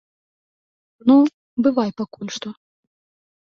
Ну, бывай пакуль што.